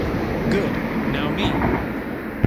Good. Now me.